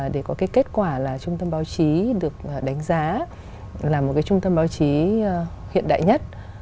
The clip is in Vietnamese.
để có cái kết quả là trung tâm báo chí được đánh giá là một cái trung tâm báo chí hiện đại nhất